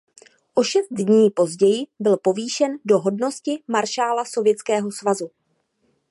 O šest dní později byl povýšen do hodnosti maršála Sovětského svazu.